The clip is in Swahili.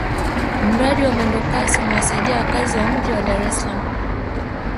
mradi wa mwendokasi umewasaidia wakazi wa mji wa dar es salaam